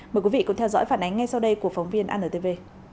mời quý vị cùng theo dõi phản ánh ngay sau đây của phóng viên antv